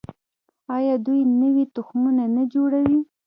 آیا دوی نوي تخمونه نه جوړوي؟